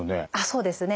そうですね。